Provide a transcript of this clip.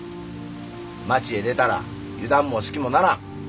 町へ出たら油断も隙もならん。